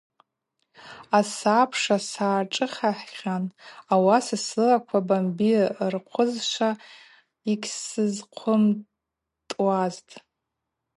Асабша Сгӏашӏыхахьан, ауаса сылаква бамби рхъызшва йгьсзыхъымтӏуазтӏ.